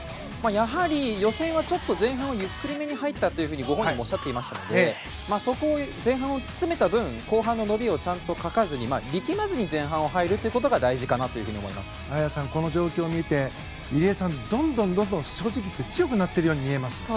やはり予選はちょっと前半をゆっくりめに入ったとご本人もおっしゃっていましたのでそこを前半を詰めた分後半の伸びを欠かずに力まずに前半に入ることが綾さん、この状況を見て入江さん、どんどん正直言って強くなっているように見えます。